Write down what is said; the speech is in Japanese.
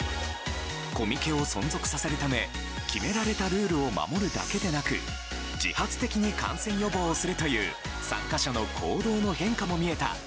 コミケを存続させるため決められたルールを守るだけでなく自発的に感染予防をするという参加者の行動の変化も見えた